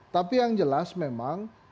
tapi yang jelas memang